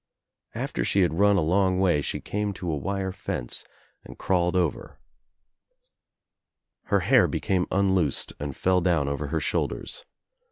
After she had lun a long way she came to a wire fence and crawled over. Her hair became unloosed and fell down over her shoulders.